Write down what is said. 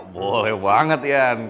boleh banget yan